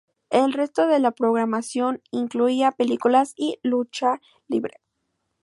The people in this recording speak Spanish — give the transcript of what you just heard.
El resto de la programación incluía películas y lucha libre.